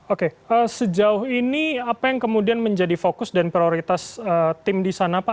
oke sejauh ini apa yang kemudian menjadi fokus dan prioritas tim di sana pak